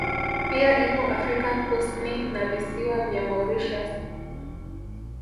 Pia ipo Afrika Kusni na visiwa vya Mauritius